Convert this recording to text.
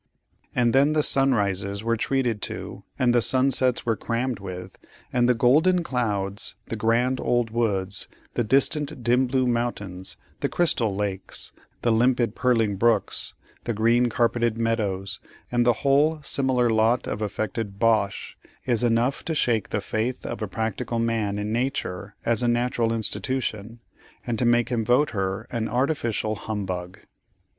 And then the sunrises we're treated to, and the sunsets we're crammed with, and the "golden clouds," the "grand old woods," the "distant dim blue mountains," the "crystal lakes," the "limpid purling brooks," the "green carpeted meadows," and the whole similar lot of affected bosh, is enough to shake the faith of a practical man in nature as a natural institution, and to make him vote her an artificial humbug.